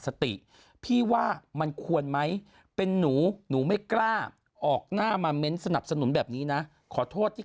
สติพี่ว่ามันควรไหมเป็นหนูหนูไม่กล้าออกหน้ามาเม้นสนับสนุนแบบนี้นะขอโทษที่